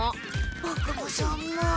ボクもそう思う。